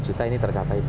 dua juta ini tercapai